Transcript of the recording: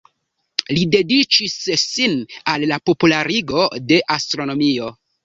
Li dediĉis sin al la popularigo de astronomio.